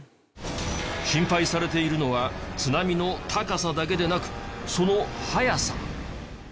心配されているのは津波の高さだけでなくその速さ。